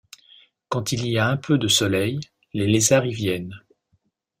Quand il y a un peu de soleil, les lézards y viennent.